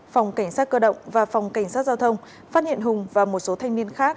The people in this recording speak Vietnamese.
phòng cảnh sát cơ động và phòng cảnh sát giao thông phát hiện hùng và một số thanh niên khác